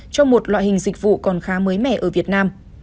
cho một loại hình dịch vụ còn khá mới mẻ ở việt nam